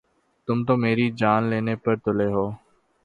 تم تو میری جان لینے پر تُلے ہو